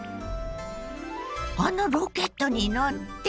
あのロケットに乗って？